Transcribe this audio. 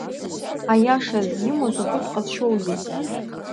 Аиашаз, имоу закәытә ҟазшьоузеи!